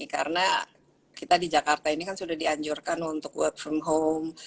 karena kita di jakarta ini kan sudah dianjurkan untuk work from home